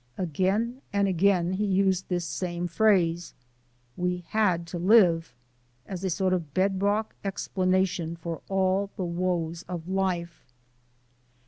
Again and again he used this same phrase, "We had to live!" as a sort of bedrock explanation for all the woes of life.